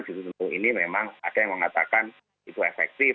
di situ tentu ini memang ada yang mengatakan itu efektif